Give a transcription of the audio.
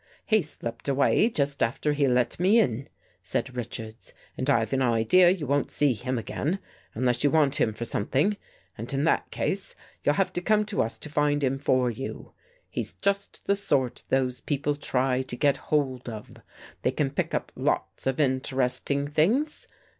" He slipped away just after he let me in," said Richards, " and I've an idea you won't see him again, unless you want him for something. And in that case, you'll have to come to us to find him for you. He's just the sort those people try to get hold of. They can pick up lots of interesting things.